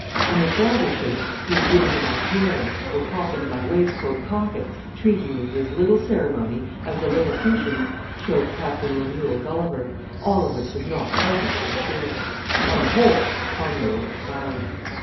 In this latter shape he would get into my hair, or pop into my waistcoat pocket, treating me with as little ceremony as the Liliputians showed Captain Lemuel Gulliver all of which was not pleasant, to be sure. On the whole, Conway was a cloud.